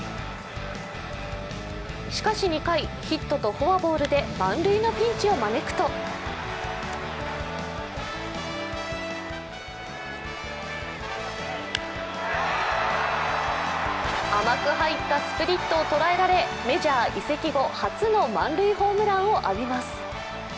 しかし２回、ヒットとフォアボールで満塁のピンチを招くと甘く入ったスプリットを捉えられメジャー移籍後初の満塁ホームランを浴びます。